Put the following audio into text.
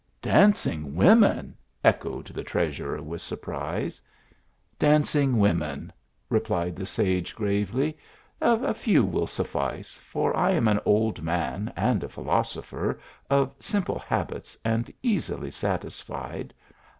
" Dancing women !" echoed the treasurer with surprise. "Dancing women," replied the sage, gravely: "a few will suffice; for I am an old man and a THE ARABIAN ASTROLOGER. 119 philosopher, of simple habits and easily satisfied.